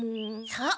そう！